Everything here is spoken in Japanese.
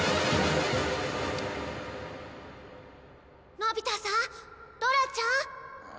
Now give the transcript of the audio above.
のび太さん！ドラちゃん！